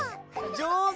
上手。